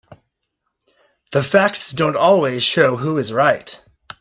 The facts don't always show who is right.